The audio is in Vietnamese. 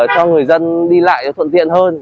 cho người dân đi lại thuận tiện hơn